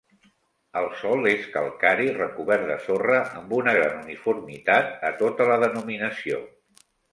El sòl és calcari recobert de sorra, amb una gran uniformitat a tota la denominació.